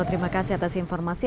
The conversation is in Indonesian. terima kasih atas informasi